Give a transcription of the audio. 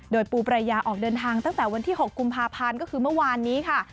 โดยปูปรายาออกเดินทางตั้งแต่วันที่๖กุมภาพันธ์ก็คือเมื่อวานนี้ค่ะ